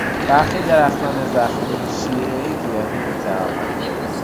برخی درختان زخمی شیرهی گیاهی میتراوند.